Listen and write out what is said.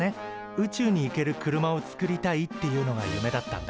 宇宙に行ける車をつくりたいっていうのが夢だったんだ。